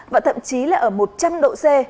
và thậm chí là ở một trăm linh độ c